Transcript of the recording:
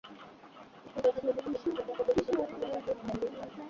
সকাল সাতটা থেকে সন্ধ্যা ছয়টা পর্যন্ত ছাত্রীরা পড়ালেখার জন্য বাইরে যেতে পারেন।